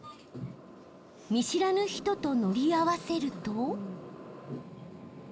見知らぬ人と乗り合わせると。